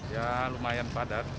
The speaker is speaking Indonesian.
ya lumayan padat